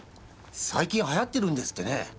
最近流行ってるんですってね。